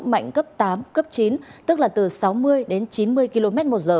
mạnh cấp tám cấp chín tức là từ sáu mươi đến chín mươi kmh